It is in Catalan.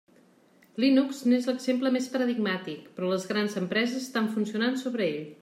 Linux n'és l'exemple més paradigmàtic, però les grans empreses estan funcionant sobre ell.